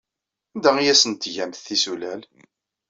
Anda ay asen-tgamt tisulal?